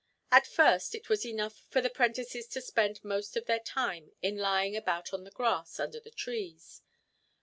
At first, it was enough for the prentices to spend most of their time in lying about on the grass under the trees.